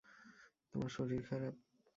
তোমার শরীর খারাপ?